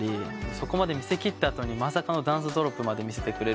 そこまで見せきった後にまさかのダンスまで見せてくれる。